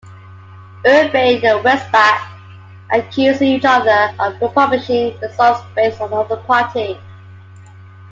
Urbain and Welsbach accused each other of publishing results based on the other party.